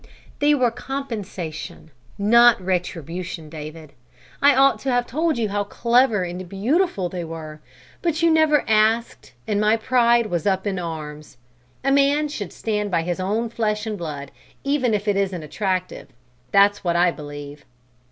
"They were compensation, not retribution, David. I ought to have told you how clever and beautiful they were, but you never asked and my pride was up in arms. A man should stand by his own flesh and blood, even if it isn't attractive; that's what I believe."